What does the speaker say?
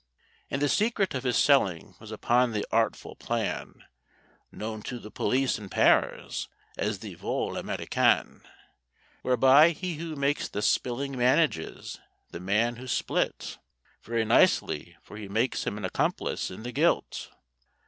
And the secret of his selling was upon the artful plan Known to the police in Paris as the vol Américain, Whereby he who does the spilling manages the man who's spilt Very nicely, for he makes him an accomplice in the guilt.